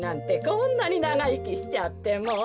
こんなにながいきしちゃってもう。